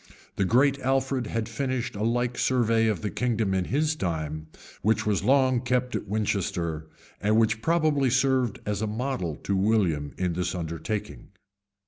The great Alfred had finished a like survey of the kingdom in his time, which was long kept at Winchester, and which probably served as a model to William in this undertaking.